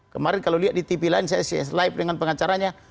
kemarin kalau lihat di tv lain saya live dengan pengacaranya